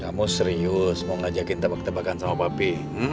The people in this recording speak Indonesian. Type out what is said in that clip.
kamu serius mau ngajakin tebak tebakan sama bapi